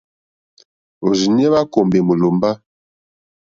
Òrzìɲɛ́ hwá kùmbè mólòmbá.